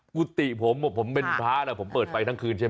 กุฏิผมผมเป็นพระนะผมเปิดไฟทั้งคืนใช่ไหม